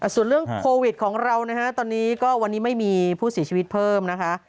ส่วนเรื่องโควิดของเรานะฮะตอนนี้ก็วันนี้ไม่มีผู้เสียชีวิตเพิ่มนะคะ